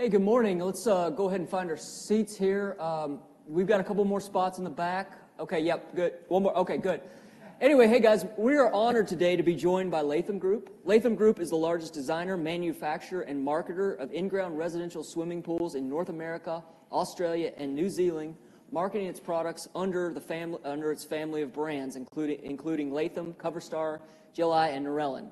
Hey, good morning. Let's go ahead and find our seats here. We've got a couple more spots in the back. Okay, yep, good. One more. Okay, good. Anyway, hey, guys, we are honored today to be joined by Latham Group. Latham Group is the largest designer, manufacturer, and marketer of inground residential swimming pools in North America, Australia, and New Zealand, marketing its products under its family of brands, including Latham, Coverstar, GLI, and Narellan.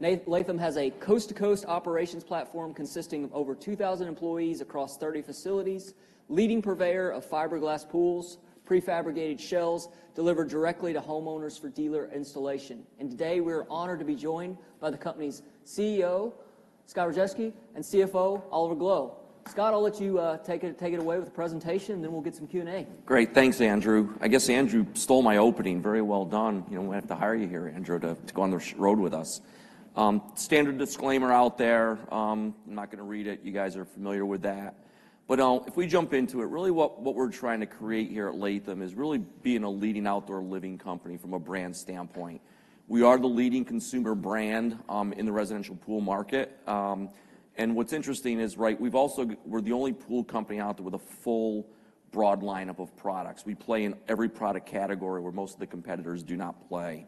Latham has a coast-to-coast operations platform consisting of over 2,000 employees across 30 facilities, leading purveyor of fiberglass pools, prefabricated shells delivered directly to homeowners for dealer installation. Today, we are honored to be joined by the company's CEO, Scott Rajeski, and CFO, Oliver Gloe. Scott, I'll let you take it away with the presentation, and then we'll get some Q&A. Great. Thanks, Andrew. I guess Andrew stole my opening. Very well done. You know, we're gonna have to hire you here, Andrew, to go on the road with us. Standard disclaimer out there. I'm not gonna read it. You guys are familiar with that. But if we jump into it, really, what we're trying to create here at Latham is really being a leading outdoor living company from a brand standpoint. We are the leading consumer brand in the residential pool market. And what's interesting is, right, we've also, we're the only pool company out there with a full broad lineup of products. We play in every product category where most of the competitors do not play.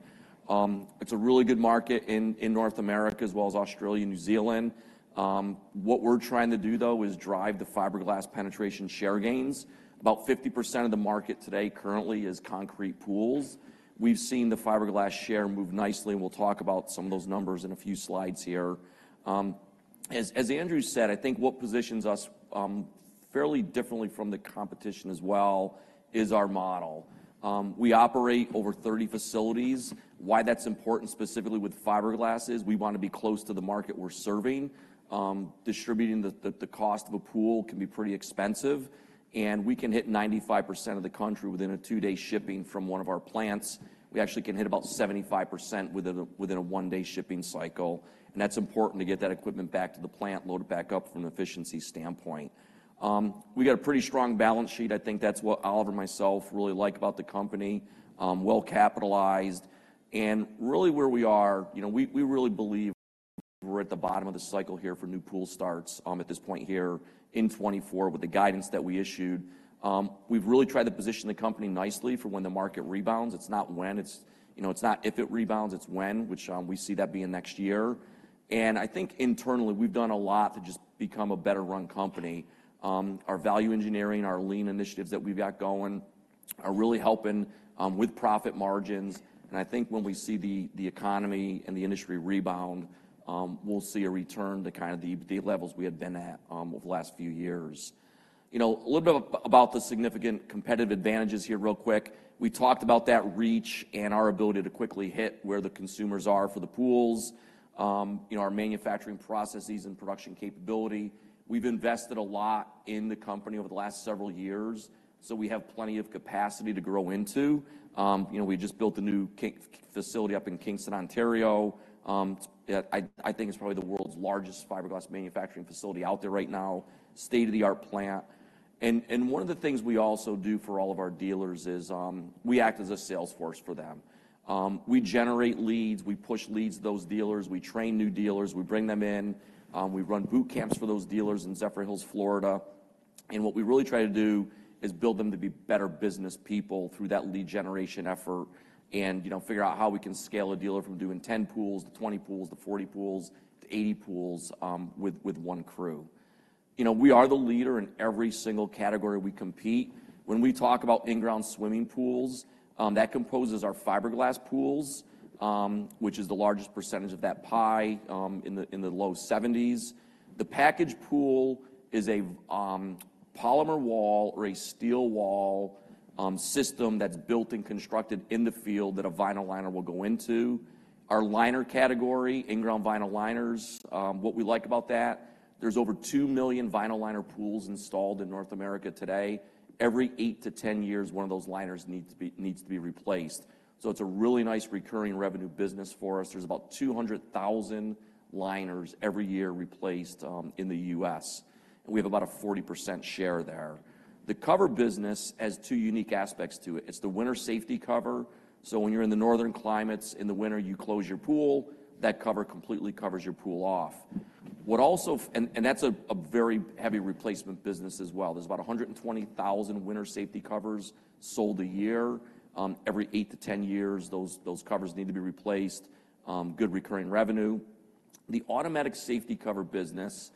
It's a really good market in North America, as well as Australia and New Zealand. What we're trying to do, though, is drive the fiberglass penetration share gains. About 50% of the market today currently is concrete pools. We've seen the fiberglass share move nicely, and we'll talk about some of those numbers in a few slides here. As Andrew said, I think what positions us fairly differently from the competition as well is our model. We operate over 30 facilities. Why that's important, specifically with fiberglass, is we want to be close to the market we're serving. Distributing the cost of a pool can be pretty expensive, and we can hit 95% of the country within a two-day shipping from one of our plants. We actually can hit about 75% within a one-day shipping cycle, and that's important to get that equipment back to the plant, load it back up from an efficiency standpoint. We got a pretty strong balance sheet. I think that's what Oliver and myself really like about the company. Well capitalized, and really where we are, you know, we really believe we're at the bottom of the cycle here for new pool starts, at this point here in 2024, with the guidance that we issued. We've really tried to position the company nicely for when the market rebounds. It's not when, it's, you know, it's not if it rebounds, it's when, which we see that being next year. And I think internally, we've done a lot to just become a better-run company. Our value engineering, our lean initiatives that we've got going are really helping with profit margins, and I think when we see the economy and the industry rebound, we'll see a return to kind of the levels we had been at over the last few years. You know, a little bit about the significant competitive advantages here real quick. We talked about that reach and our ability to quickly hit where the consumers are for the pools. You know, our manufacturing processes and production capability, we've invested a lot in the company over the last several years, so we have plenty of capacity to grow into. You know, we just built a new Kingston facility up in Kingston, Ontario. Yeah, I think it's probably the world's largest fiberglass manufacturing facility out there right now, state-of-the-art plant. One of the things we also do for all of our dealers is we act as a sales force for them. We generate leads, we push leads to those dealers, we train new dealers, we bring them in, we run boot camps for those dealers in Zephyrhills, Florida. What we really try to do is build them to be better business people through that lead generation effort and, you know, figure out how we can scale a dealer from doing 10 pools to 20 pools, to 40 pools, to 80 pools, with one crew. You know, we are the leader in every single category we compete. When we talk about inground swimming pools, that composes our fiberglass pools, which is the largest percentage of that pie, in the low 70s. The packaged pool is a polymer wall or a steel wall system that's built and constructed in the field that a vinyl liner will go into. Our liner category, inground vinyl liners, what we like about that, there's over 2 million vinyl liner pools installed in North America today. Every eight years - 10 years, one of those liners needs to be replaced. So it's a really nice recurring revenue business for us. There's about 200,000 liners every year replaced in the U.S., and we have about a 40% share there. The cover business has two unique aspects to it. It's the winter safety cover, so when you're in the northern climates in the winter, you close your pool, that cover completely covers your pool off. And that's a very heavy replacement business as well. There's about 120,000 winter safety covers sold a year. Every eight years - 10 years, those covers need to be replaced. Good recurring revenue. The automatic safety cover business,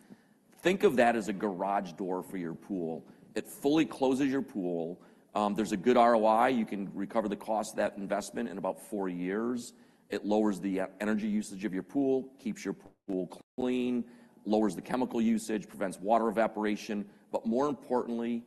think of that as a garage door for your pool. It fully closes your pool. There's a good ROI. You can recover the cost of that investment in about four years. It lowers the energy usage of your pool, keeps your pool clean, lowers the chemical usage, prevents water evaporation, but more importantly,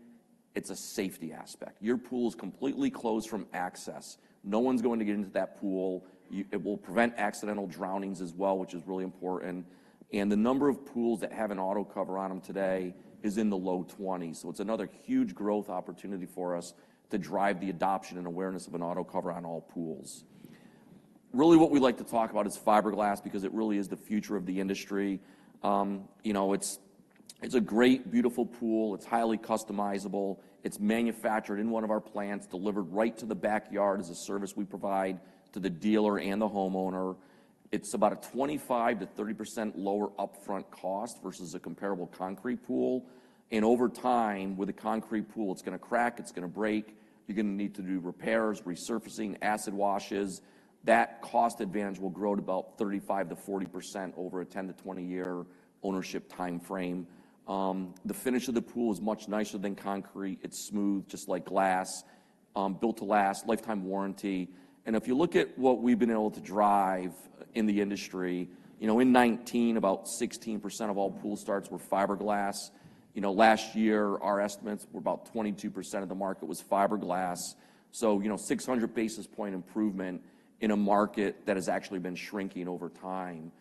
it's a safety aspect. Your pool is completely closed from access. No one's going to get into that pool. It will prevent accidental drownings as well, which is really important. The number of pools that have an auto cover on them today is in the low 20s, so it's another huge growth opportunity for us to drive the adoption and awareness of an auto cover on all pools. Really what we like to talk about is fiberglass, because it really is the future of the industry. You know, it's a great, beautiful pool. It's highly customizable. It's manufactured in one of our plants, delivered right to the backyard as a service we provide to the dealer and the homeowner. It's about a 25% - 30% lower upfront cost versus a comparable concrete pool. And over time, with a concrete pool, it's gonna crack, it's gonna break. You're gonna need to do repairs, resurfacing, acid washes. That cost advantage will grow at about 35%-40% over a 10 year-20 year ownership time frame. The finish of the pool is much nicer than concrete. It's smooth, just like glass. Built to last, lifetime warranty. And if you look at what we've been able to drive in the industry, you know, in 2019, about 16% of all pool starts were fiberglass. You know, last year, our estimates were about 22% of the market was fiberglass. So, you know, 600 basis point improvement in a market that has actually been shrinking over time.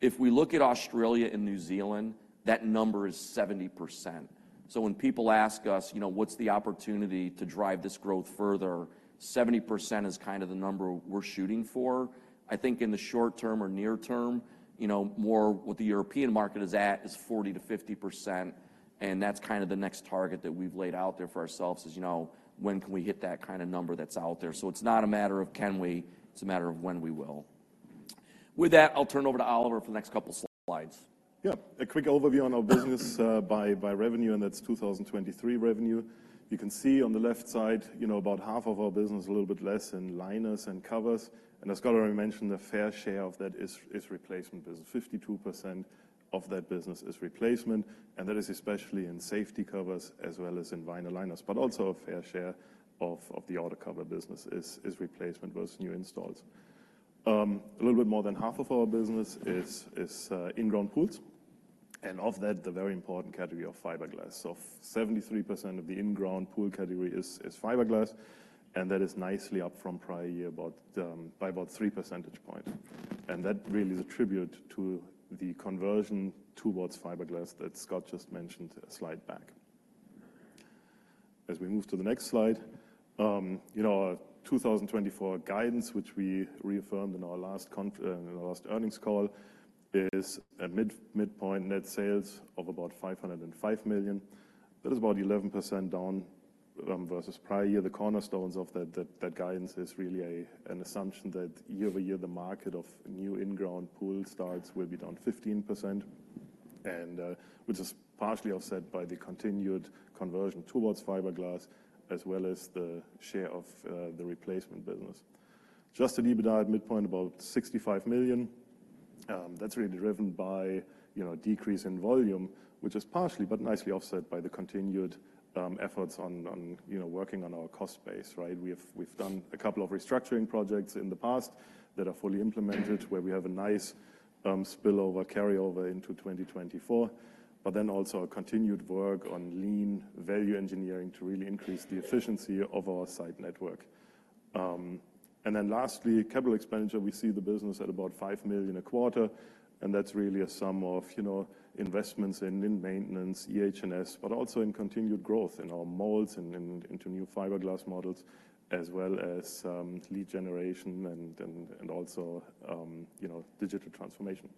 If we look at Australia and New Zealand, that number is 70%. So when people ask us, you know, "What's the opportunity to drive this growth further?" 70% is kind of the number we're shooting for. I think in the short term or near term, you know, more what the European market is at is 40% - 50%, and that's kind of the next target that we've laid out there for ourselves is, you know, when can we hit that kind of number that's out there? So it's not a matter of can we, it's a matter of when we will. With that, I'll turn it over to Oliver for the next couple of slides. Yeah, a quick overview on our business by revenue, and that's 2023 revenue. You can see on the left side, you know, about half of our business, a little bit less in liners and covers. And as Scott already mentioned, a fair share of that is replacement business. 52% of that business is replacement, and that is especially in safety covers as well as in vinyl liners. But also a fair share of the auto cover business is replacement versus new installs. A little bit more than half of our business is inground pools, and of that, the very important category of fiberglass. So 73% of the inground pool category is fiberglass, and that is nicely up from prior year, about by about 3 percentage points. That really is attributed to the conversion towards fiberglass that Scott just mentioned a slide back. As we move to the next slide, you know, our 2024 guidance, which we reaffirmed in our last earnings call, is at midpoint net sales of about $505 million. That is about 11% down versus prior year. The cornerstones of that guidance is really an assumption that year-over-year, the market of new inground pool starts will be down 15%, and which is partially offset by the continued conversion towards fiberglass, as well as the share of the replacement business. Adjusted EBITDA at midpoint, about $65 million. That's really driven by, you know, a decrease in volume, which is partially but nicely offset by the continued efforts on, you know, working on our cost base, right? We've done a couple of restructuring projects in the past that are fully implemented, where we have a nice spillover, carry over into 2024, but then also a continued work on lean value engineering to really increase the efficiency of our site network. And then lastly, capital expenditure. We see the business at about $5 million a quarter, and that's really a sum of, you know, investments in maintenance, EHNS, but also in continued growth in our molds and into new fiberglass models, as well as lead generation and also, you know, digital transformation.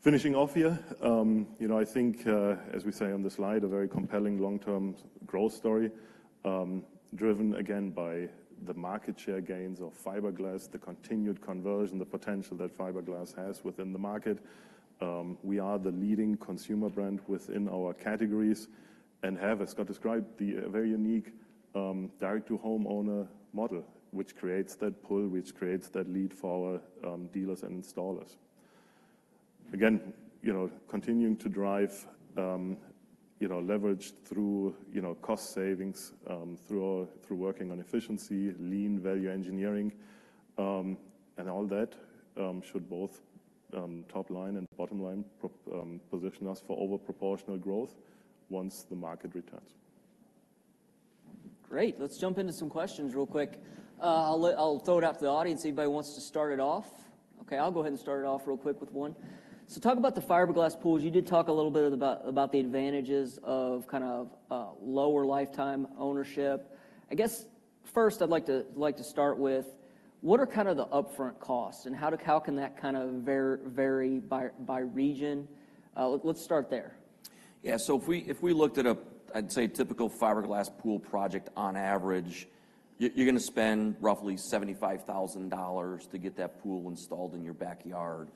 Finishing off here, you know, I think, as we say on the slide, a very compelling long-term growth story, driven again by the market share gains of fiberglass, the continued conversion, the potential that fiberglass has within the market. We are the leading consumer brand within our categories and have, as Scott described, the very unique direct to homeowner model, which creates that pull, which creates that lead for our dealers and installers. Again, you know, continuing to drive, you know, leverage through, you know, cost savings, through working on efficiency, lean value engineering, and all that, should both top line and bottom line, pro, position us for over proportional growth once the market returns. Great! Let's jump into some questions real quick. I'll let, I'll throw it out to the audience, if anybody wants to start it off. Okay, I'll go ahead and start it off real quick with one. So talk about the fiberglass pools. You did talk a little bit about, about the advantages of kind of lower lifetime ownership. I guess first I'd like to, like to start with, what are kind of the upfront costs, and how to, how can that kind of vary by, by region? Let's start there. Yeah, so if we looked at a, I'd say, typical fiberglass pool project on average, you're gonna spend roughly $75,000 to get that pool installed in your backyard.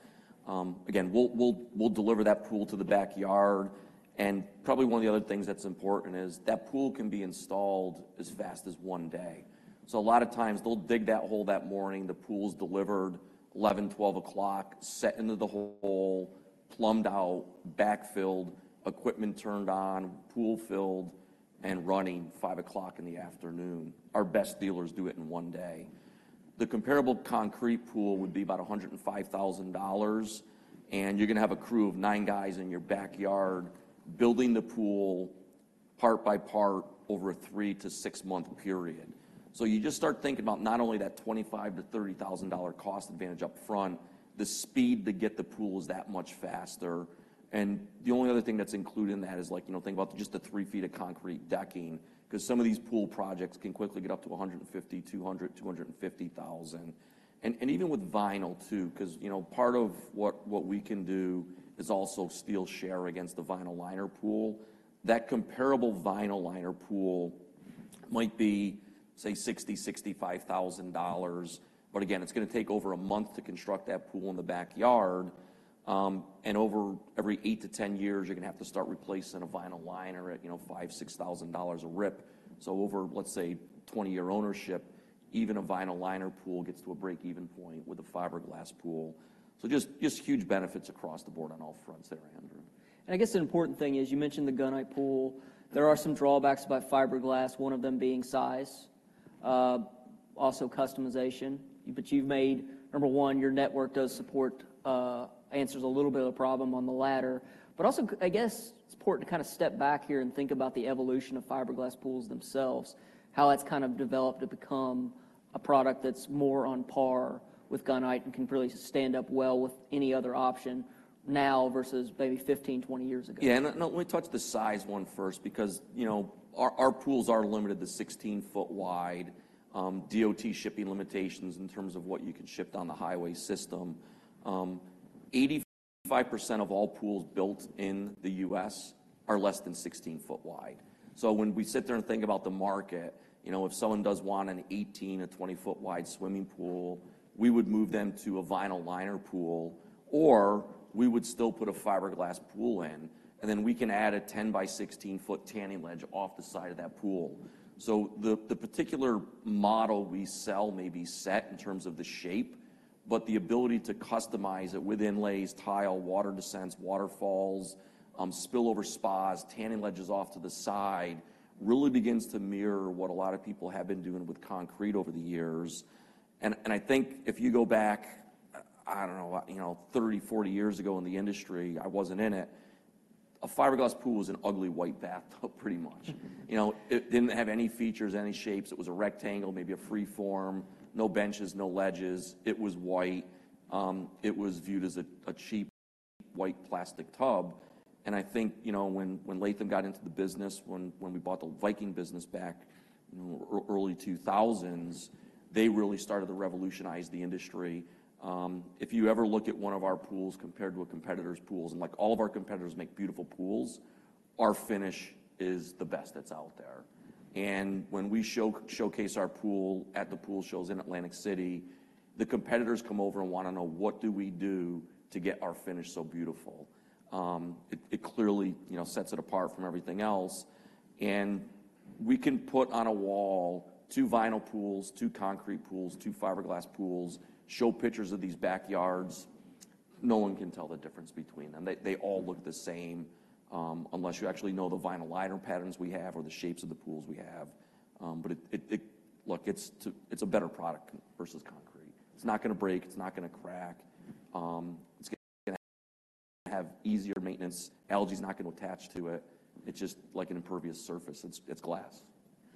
Again, we'll deliver that pool to the backyard, and probably one of the other things that's important is that pool can be installed as fast as one day. So a lot of times they'll dig that hole that morning, the pool's delivered 11 A.M., 12 A.M., set into the hole, plumbed out, backfilled, equipment turned on, pool filled and running 5:00 P.M. in the afternoon. Our best dealers do it in one day. The comparable concrete pool would be about $105,000, and you're gonna have a crew of nine guys in your backyard building the pool part by part over a three month - six month period. So you just start thinking about not only that $25,000 - $30,000 cost advantage up front, the speed to get the pool is that much faster, and the only other thing that's included in that is like, you know, think about just the three feet of concrete decking. 'Cause some of these pool projects can quickly get up to $150,000, $200,000, $250,000. And even with vinyl too, 'cause, you know, part of what we can do is also steal share against the vinyl liner pool. That comparable vinyl liner pool might be, say, $60,000 - $65,000, but again, it's gonna take over a month to construct that pool in the backyard. And over every 8 years - 10 years, you're gonna have to start replacing a vinyl liner at, you know, $5,000 - $6,000 a rip. So over, let's say, 20-year ownership, even a vinyl liner pool gets to a break-even point with a fiberglass pool. So just huge benefits across the board on all fronts there, Andrew. I guess the important thing is, you mentioned the gunite pool. There are some drawbacks about fiberglass, one of them being size, also customization. But you've made, number one, your network does support, answers a little bit of the problem on the latter. But also I guess it's important to kind of step back here and think about the evolution of fiberglass pools themselves, how that's kind of developed to become a product that's more on par with gunite and can really stand up well with any other option now versus maybe 15 years, 20 years ago. Yeah, let me touch the size one first, because, you know, our pools are limited to 16-foot wide, DOT shipping limitations in terms of what you can ship down the highway system. 85% of all pools built in the U.S. are less than 16 foot wide. So when we sit there and think about the market, you know, if someone does want an 18-foot or 20-foot wide swimming pool, we would move them to a vinyl liner pool, or we would still put a fiberglass pool in, and then we can add a 10x16-foot tanning ledge off the side of that pool. So the, the particular model we sell may be set in terms of the shape, but the ability to customize it with inlays, tile, water descents, waterfalls, spillover spas, tanning ledges off to the side, really begins to mirror what a lot of people have been doing with concrete over the years. And, and I think if you go back, I don't know, what, you know, 30 years, 40 years ago in the industry, I wasn't in it, a fiberglass pool was an ugly white bathtub, pretty much. You know, it didn't have any features, any shapes. It was a rectangle, maybe a free form, no benches, no ledges. It was white. It was viewed as a cheap white plastic tub, and I think, you know, when Latham got into the business, when we bought the Viking business back in early 2000s, they really started to revolutionize the industry. If you ever look at one of our pools compared to a competitor's pools, and, like, all of our competitors make beautiful pools, our finish is the best that's out there. And when we showcase our pool at the pool shows in Atlantic City, the competitors come over and wanna know what do we do to get our finish so beautiful. It clearly, you know, sets it apart from everything else, and we can put on a wall two vinyl pools, two concrete pools, two fiberglass pools, show pictures of these backyards. No one can tell the difference between them. They, they all look the same, unless you actually know the vinyl liner patterns we have or the shapes of the pools we have. But look, it's a better product versus concrete. It's not gonna break. It's not gonna crack. It's gonna have easier maintenance. Algae's not gonna attach to it. It's just like an impervious surface. It's glass.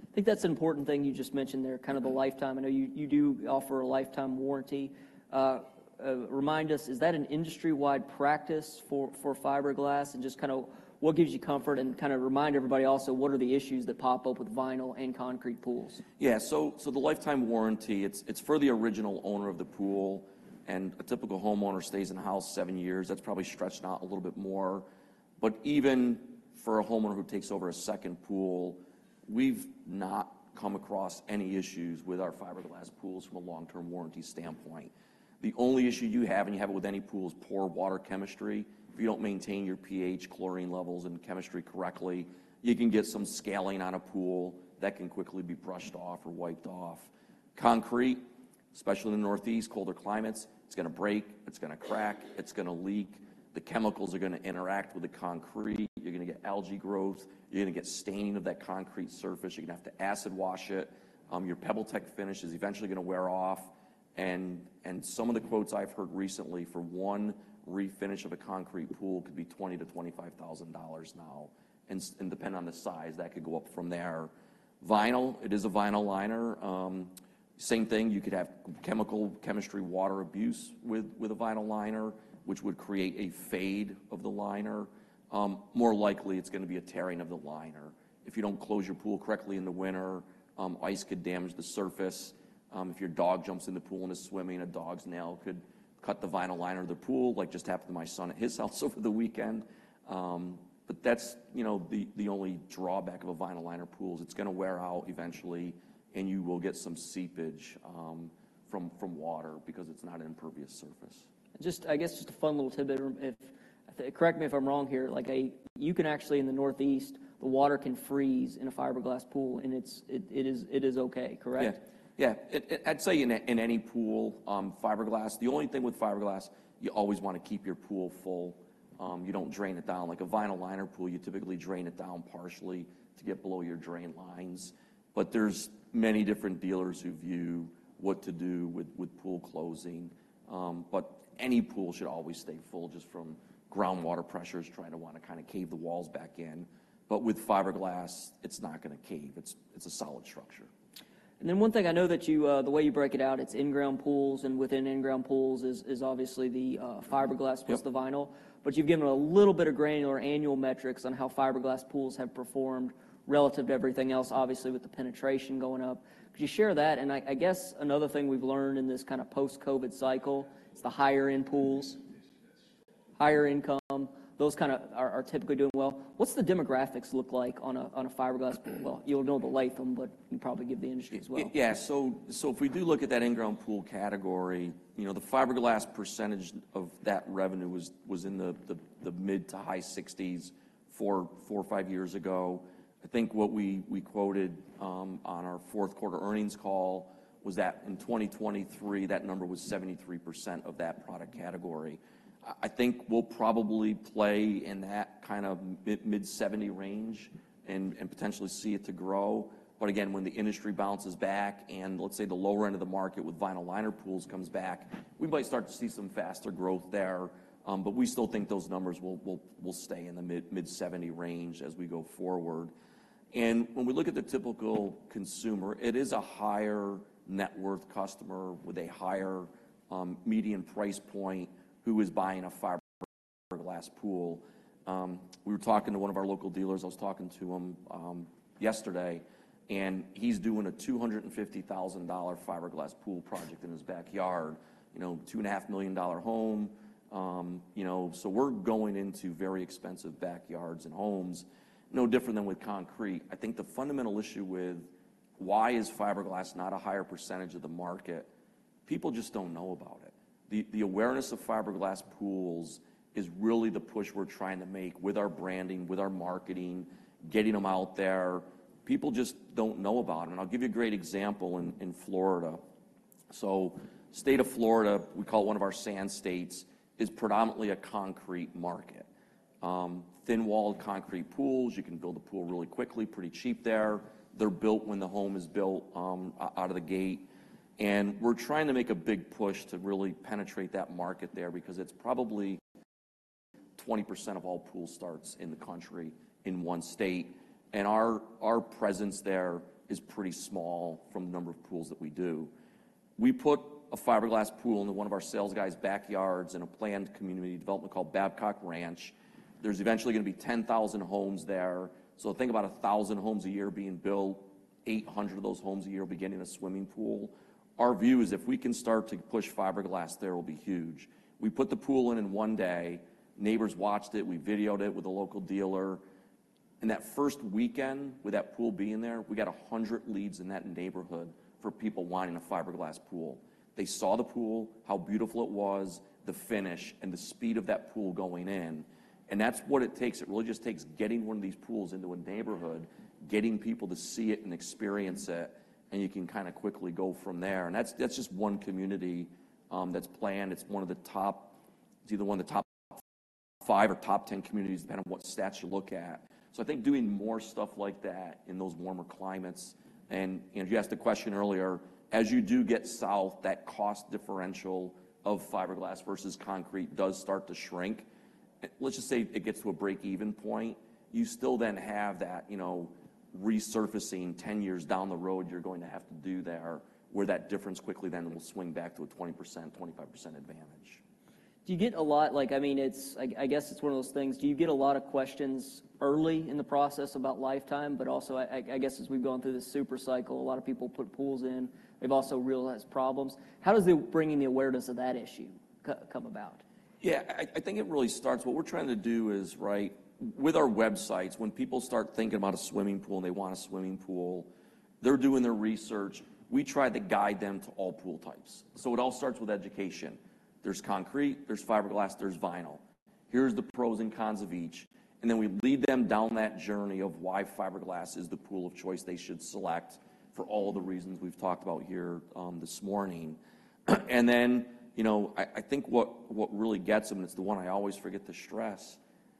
I think that's an important thing you just mentioned there, kind of the lifetime. I know you do offer a lifetime warranty. Remind us, is that an industry-wide practice for fiberglass? And just kind of what gives you comfort? And kind of remind everybody also what are the issues that pop up with vinyl and concrete pools. Yeah. So, so the lifetime warranty, it's, it's for the original owner of the pool, and a typical homeowner stays in the house seven years. That's probably stretched out a little bit more. But even for a homeowner who takes over a second pool, we've not come across any issues with our fiberglass pools from a long-term warranty standpoint. The only issue you have, and you have it with any pool, is poor water chemistry. If you don't maintain your pH, chlorine levels, and chemistry correctly, you can get some scaling on a pool. That can quickly be brushed off or wiped off. Concrete, especially in the Northeast, colder climates, it's gonna break, it's gonna crack, it's gonna leak. The chemicals are gonna interact with the concrete. You're gonna get algae growth. You're gonna get staining of that concrete surface. You're gonna have to acid wash it. Your PebbleTec finish is eventually gonna wear off, and some of the quotes I've heard recently for one refinish of a concrete pool could be $20,000 - $25,000 now, and depending on the size, that could go up from there. Vinyl, it is a vinyl liner. Same thing, you could have chemical, chemistry, water abuse with a vinyl liner, which would create a fade of the liner. More likely, it's gonna be a tearing of the liner. If you don't close your pool correctly in the winter, ice could damage the surface. If your dog jumps in the pool and is swimming, a dog's nail could cut the vinyl liner of the pool, like just happened to my son at his house over the weekend. But that's, you know, the only drawback of a vinyl liner pool is it's gonna wear out eventually, and you will get some seepage from water because it's not an impervious surface. Just, I guess, just a fun little tidbit. Correct me if I'm wrong here, like a, you can actually, in the Northeast, the water can freeze in a fiberglass pool, and it's okay, correct? Yeah. Yeah. It, I'd say in any pool, fiberglass, the only thing with fiberglass, you always wanna keep your pool full. You don't drain it down. Like a vinyl liner pool, you typically drain it down partially to get below your drain lines, but there's many different dealers who view what to do with pool closing. But any pool should always stay full just from groundwater pressures trying to wanna kind of cave the walls back in, but with fiberglass, it's not gonna cave. It's a solid structure. And then one thing, I know that you, the way you break it out, it's inground pools, and within inground pools is obviously the fiberglass. Yep. Versus the vinyl. But you've given a little bit of granular annual metrics on how fiberglass pools have performed relative to everything else, obviously, with the penetration going up. Could you share that? And I, I guess another thing we've learned in this kind of post-COVID cycle is the higher-end pools, higher income, those kinda are, are typically doing well. What's the demographics look like on a, on a fiberglass pool? Well, you'll know about Latham, but you probably get the industry as well. Yeah, so if we do look at that inground pool category, you know, the fiberglass percentage of that revenue was in the mid to high 60s 4 to 5 years ago. I think what we quoted on our fourth quarter earnings call was that in 2023, that number was 73% of that product category. I think we'll probably play in that kind of mid-70s range and potentially see it grow. But again, when the industry bounces back and let's say the lower end of the market with vinyl liner pools comes back, we might start to see some faster growth there, but we still think those numbers will stay in the mid-70s range as we go forward. When we look at the typical consumer, it is a higher net worth customer with a higher, median price point who is buying a fiberglass pool. We were talking to one of our local dealers. I was talking to him, yesterday, and he's doing a $250,000 fiberglass pool project in his backyard. You know, $2.5 million home. You know, so we're going into very expensive backyards and homes, no different than with concrete. I think the fundamental issue with why is fiberglass not a higher percentage of the market, people just don't know about it. The awareness of fiberglass pools is really the push we're trying to make with our branding, with our marketing, getting them out there. People just don't know about it, and I'll give you a great example in Florida. So state of Florida, we call it one of our sand states, is predominantly a concrete market. Thin-walled concrete pools, you can build a pool really quickly, pretty cheap there. They're built when the home is built, out of the gate. And we're trying to make a big push to really penetrate that market there, because it's probably 20% of all pool starts in the country in one state, and our presence there is pretty small from the number of pools that we do. We put a fiberglass pool into one of our sales guys' backyards in a planned community development called Babcock Ranch. There's eventually gonna be 10,000 homes there. So think about 1,000 homes a year being built, 800 of those homes a year beginning a swimming pool. Our view is if we can start to push fiberglass there, it will be huge. We put the pool in in one day. Neighbors watched it. We videoed it with a local dealer. In that first weekend, with that pool being there, we got 100 leads in that neighborhood for people wanting a fiberglass pool. They saw the pool, how beautiful it was, the finish, and the speed of that pool going in, and that's what it takes. It really just takes getting one of these pools into a neighborhood, getting people to see it and experience it, and you can kinda quickly go from there. And that's, that's just one community, that's planned. It's one of the top. It's either one of the top 5 or top 10 communities, depending on what stats you look at. So I think doing more stuff like that in those warmer climates, and, you know, you asked a question earlier, as you do get south, that cost differential of fiberglass versus concrete does start to shrink. Let's just say it gets to a break-even point. You still then have that, you know, resurfacing 10 years down the road, you're going to have to do there, where that difference quickly then will swing back to a 20% to 25% advantage. Do you get a lot, like, I mean, it's, I guess it's one of those things. Do you get a lot of questions early in the process about lifetime? But also, I guess as we've gone through this super cycle, a lot of people put pools in. They've also realized problems. How does bringing the awareness of that issue come about? Yeah, I, I think it really starts. What we're trying to do is, right, with our websites, when people start thinking about a swimming pool and they want a swimming pool, they're doing their research, we try to guide them to all pool types. So it all starts with education. There's concrete, there's fiberglass, there's vinyl. Here's the pros and cons of each, and then we lead them down that journey of why fiberglass is the pool of choice they should select for all the reasons we've talked about here, this morning. And then, you know, I, I think what, what really gets them, and it's the one I always forget to stress,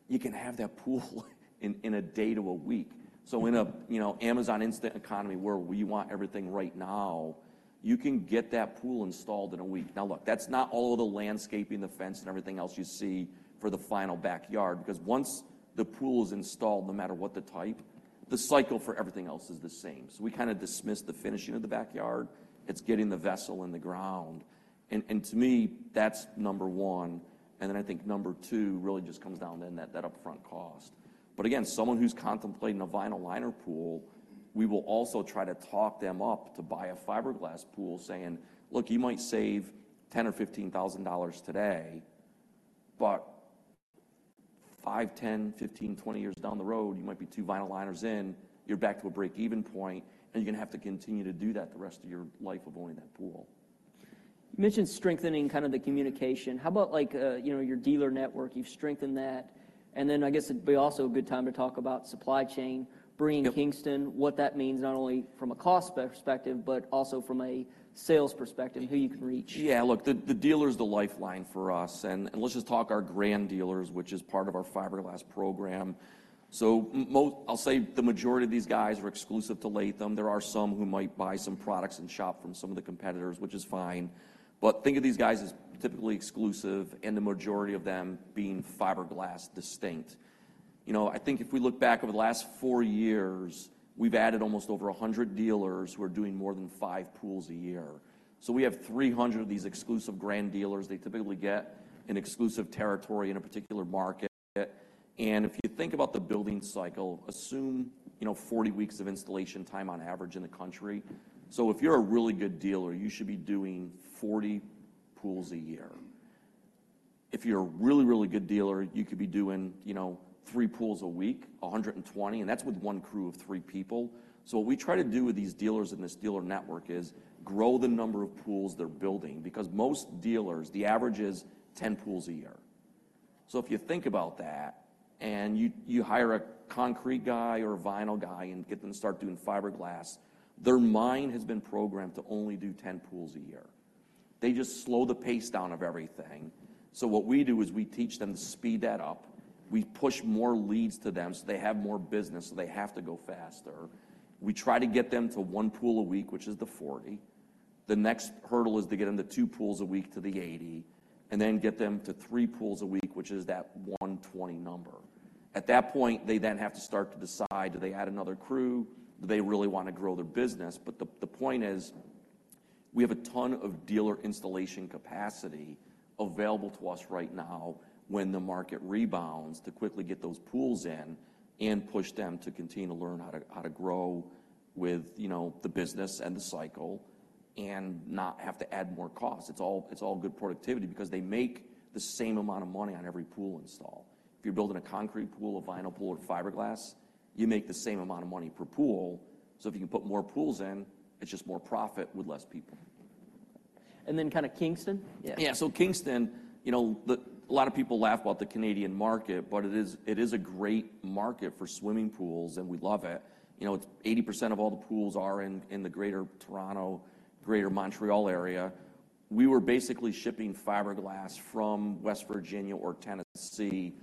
you can have that pool in, in a day to a week. So in a, you know, Amazon instant economy, where we want everything right now, you can get that pool installed in a week. Now, look, that's not all of the landscaping, the fence, and everything else you see for the final backyard, because once the pool is installed, no matter what the type, the cycle for everything else is the same. So we kinda dismiss the finishing of the backyard. It's getting the vessel in the ground, and, and to me, that's number one. And then I think number two really just comes down then to that upfront cost. But again, someone who's contemplating a vinyl liner pool, we will also try to talk them up to buy a fiberglass pool saying, "Look, you might save $10,000-$15,000 today, but 5, 10, 15, 20 years down the road, you might be two vinyl liners in, you're back to a break-even point, and you're gonna have to continue to do that the rest of your life of owning that pool. You mentioned strengthening kind of the communication. How about, like, you know, your dealer network, you've strengthened that? And then I guess it'd be also a good time to talk about supply chain. Yep. Bringing Kingston, what that means, not only from a cost perspective, but also from a sales perspective, who you can reach. Yeah, look, the dealer is the lifeline for us, and let's just talk our Grand Dealers, which is part of our fiberglass program. So I'll say the majority of these guys are exclusive to Latham. There are some who might buy some products and shop from some of the competitors, which is fine. But think of these guys as typically exclusive, and the majority of them being fiberglass distinct. You know, I think if we look back over the last four years, we've added almost over 100 dealers who are doing more than five pools a year. So we have 300 of these exclusive grand dealers. They typically get an exclusive territory in a particular market. And if you think about the building cycle, assume, you know, 40 weeks of installation time on average in the country. So if you're a really good dealer, you should be doing 40 pools a year. If you're a really, really good dealer, you could be doing, you know, three pools a week, 120, and that's with one crew of three people. So what we try to do with these dealers in this dealer network is grow the number of pools they're building, because most dealers, the average is 10 pools a year. So if you think about that, and you, you hire a concrete guy or a vinyl guy and get them to start doing fiberglass, their mind has been programmed to only do 10 pools a year. They just slow the pace down of everything. So what we do is we teach them to speed that up. We push more leads to them, so they have more business, so they have to go faster. We try to get them to one pool a week, which is the 40. The next hurdle is to get them to two pools a week, to the 80, and then get them to three pools a week, which is that 120 number. At that point, they then have to start to decide, do they add another crew? Do they really want to grow their business? But the, the point is, we have a ton of dealer installation capacity available to us right now when the market rebounds, to quickly get those pools in and push them to continue to learn how to, how to grow with, you know, the business and the cycle and not have to add more costs. It's all, it's all good productivity because they make the same amount of money on every pool install. If you're building a concrete pool, a vinyl pool, or fiberglass, you make the same amount of money per pool. So if you can put more pools in, it's just more profit with less people. And then kind of Kingston? Yeah. Yeah, so Kingston, you know. A lot of people laugh about the Canadian market, but it is, it is a great market for swimming pools, and we love it. You know, 80% of all the pools are in, in the greater Toronto, greater Montreal area. We were basically shipping fiberglass from West Virginia or Tennessee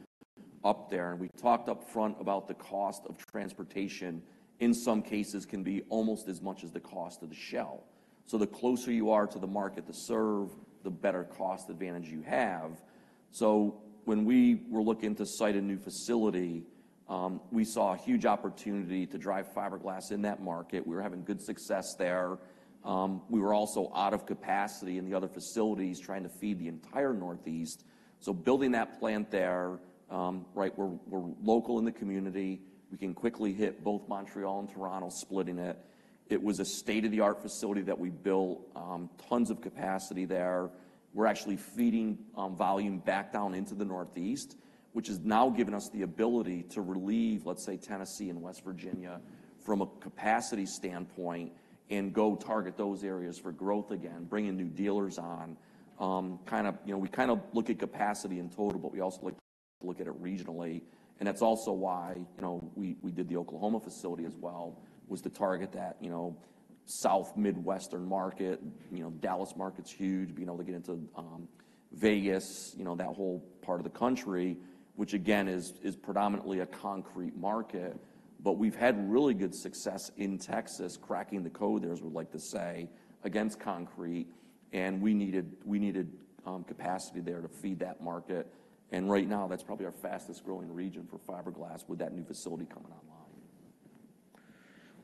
up there, and we talked up front about the cost of transportation, in some cases, can be almost as much as the cost of the shell. So the closer you are to the market to serve, the better cost advantage you have. So when we were looking to site a new facility, we saw a huge opportunity to drive fiberglass in that market. We were having good success there. We were also out of capacity in the other facilities trying to feed the entire Northeast. So building that plant there, right, we're local in the community. We can quickly hit both Montreal and Toronto, splitting it. It was a state-of-the-art facility that we built. Tons of capacity there. We're actually feeding volume back down into the Northeast, which has now given us the ability to relieve, let's say, Tennessee and West Virginia from a capacity standpoint and go target those areas for growth again, bringing new dealers on. Kind of, you know, we kind of look at capacity in total, but we also like to look at it regionally. And that's also why, you know, we did the Oklahoma facility as well to target that, you know, South Midwestern market. You know, Dallas market's huge. Being able to get into Vegas, you know, that whole part of the country, which again, is predominantly a concrete market. We've had really good success in Texas, cracking the code there, as we like to say, against concrete, and we needed capacity there to feed that market. And right now, that's probably our fastest growing region for fiberglass with that new facility coming online.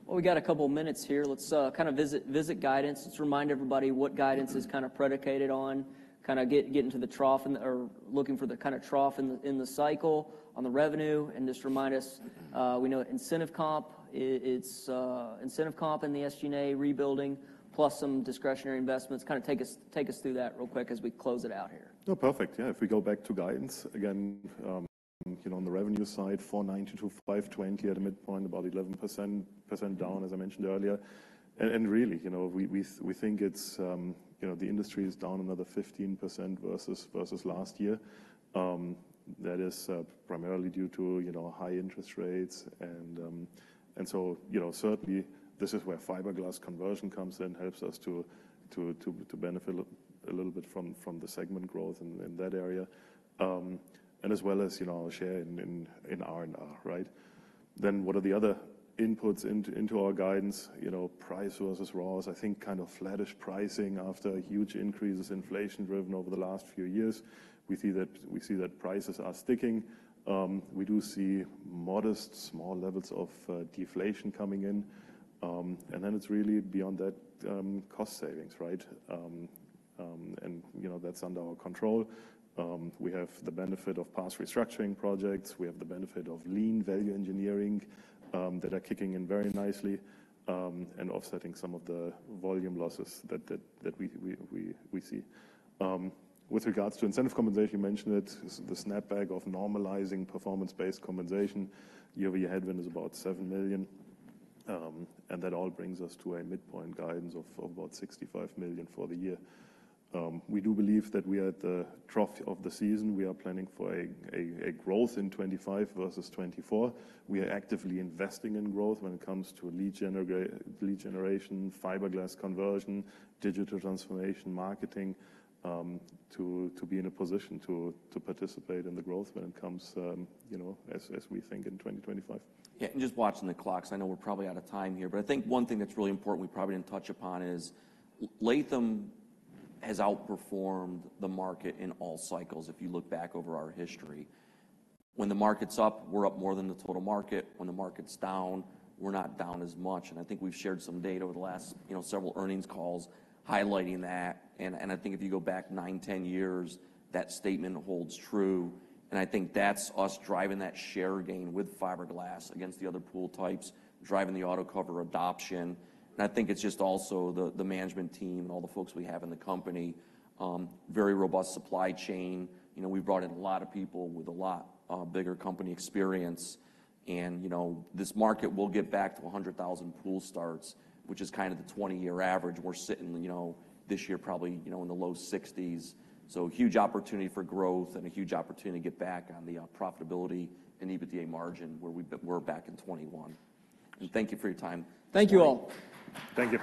Well, we got a couple of minutes here. Let's kind of visit guidance. Let's remind everybody what guidance is kind of predicated on. Kinda get into the trough or looking for the kind of trough in the cycle on the revenue, and just remind us we know incentive comp. It's incentive comp and the SG&A rebuilding, plus some discretionary investments. Kind of take us through that real quick as we close it out here. Oh, perfect. Yeah, if we go back to guidance, again, you know, on the revenue side, $490 million-$520 million at a midpoint, about 11% down, as I mentioned earlier. And really, you know, we think it's, you know, the industry is down another 15% versus last year. That is primarily due to, you know, high interest rates. And so, you know, certainly this is where fiberglass conversion comes in, helps us to benefit a little bit from the segment growth in that area. And as well as, you know, our share in R&R, right? Then, what are the other inputs into our guidance? You know, price versus raws. I think kind of flattish pricing after huge increases, inflation-driven over the last few years. We see that prices are sticking. We do see modest, small levels of deflation coming in. And then it's really beyond that, cost savings, right? You know, that's under our control. We have the benefit of past restructuring projects. We have the benefit of lean value engineering that are kicking in very nicely, and offsetting some of the volume losses that we see. With regards to incentive compensation, you mentioned it, the snapback of normalizing performance-based compensation. Year-over-year headwind is about $7 million, and that all brings us to a midpoint guidance of about $65 million for the year. We do believe that we are at the trough of the season. We are planning for a growth in 2025 versus 2024. We are actively investing in growth when it comes to lead generation, fiberglass conversion, digital transformation, marketing, to be in a position to participate in the growth when it comes, you know, as we think in 2025. Yeah, and just watching the clock, so I know we're probably out of time here. But I think one thing that's really important we probably didn't touch upon is Latham has outperformed the market in all cycles, if you look back over our history. When the market's up, we're up more than the total market. When the market's down, we're not down as much. And I think we've shared some data over the last, you know, several earnings calls highlighting that. And I think if you go back 9, 10 years, that statement holds true. And I think that's us driving that share gain with fiberglass against the other pool types, driving the auto cover adoption. And I think it's just also the management team, all the folks we have in the company, very robust supply chain. You know, we brought in a lot of people with a lot of bigger company experience. You know, this market will get back to 100,000 pool starts, which is kind of the 20-year average. We're sitting, you know, this year, probably, you know, in the low 60s. So huge opportunity for growth and a huge opportunity to get back on the profitability and EBITDA margin, where we were back in 2021. Thank you for your time. Thank you, all. Thank you.